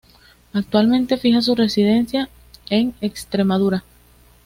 Actualmente fija su residencia en Extremadura.